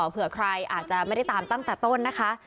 เผื่อใครอาจจะไม่ได้ตามตั้งแต่ต้นนะคะ